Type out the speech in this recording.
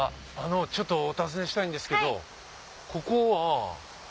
ちょっとお尋ねしたいんですけど。